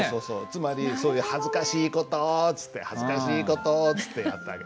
つまりそういうはずかしいことっつってはずかしいことっつってやった訳。